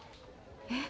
えっ？